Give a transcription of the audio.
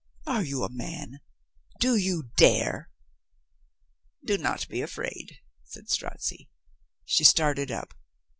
Are you a man? Do you dare?" "Do not be afraid," said Strozzi. She started up.